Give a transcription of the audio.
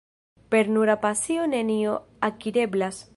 Per nura pasio nenio akireblas.